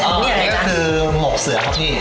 อันนี้ก็คือหมวกเสือครับพี่